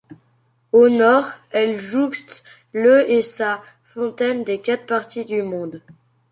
Au nord, elle jouxte le et sa fontaine des Quatre-Parties-du-Monde.